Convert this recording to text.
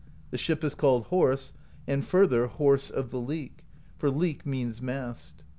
The ship is called Horse, and further. Horse of the Leek: for Meek' means 'mast.'